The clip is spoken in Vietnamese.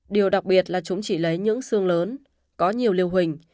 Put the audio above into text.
điều đặc biệt là chúng chỉ lấy những xương lớn có nhiều lưu hình